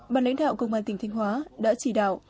bàn lãnh đạo công an tỉnh thanh hóa đã chỉ đạo